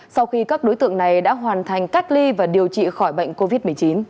sau khi các đối tượng này đã hoàn thành cách ly và điều trị khỏi bệnh covid một mươi chín